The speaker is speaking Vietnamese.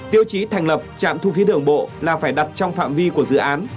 tiêu chí thành lập trạm thu phí đường bộ là phải đặt trong phạm vi của dự án